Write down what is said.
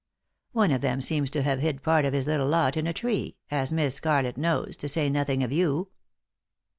One of them seems to have hid part of bis little lot in a tree, as Miss Scarlett knows, to say nothing of you."